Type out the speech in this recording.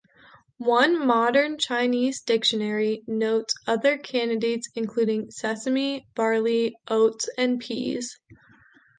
One modern Chinese dictionary notes other candidates including sesame, barley, oats, and peas.